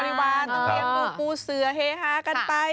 เปลี่ยงสู่เสือเฮฮะกันไป